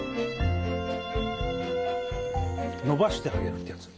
のばしてあげるってやつ。